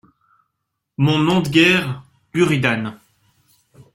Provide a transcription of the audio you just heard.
Mon nom de guerre, Buridan.